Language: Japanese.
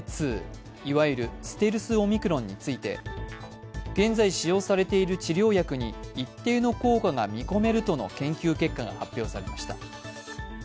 いわゆるステルスオミクロンについて、現在、使用されている治療薬に一定の効果が見込めるとの研究結果が発表されました。